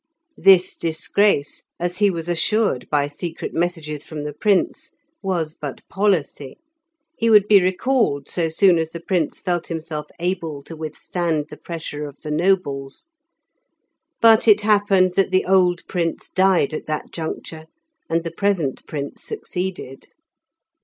This disgrace, as he was assured by secret messages from the Prince, was but policy; he would be recalled so soon as the Prince felt himself able to withstand the pressure of the nobles. But it happened that the old Prince died at that juncture, and the present Prince succeeded.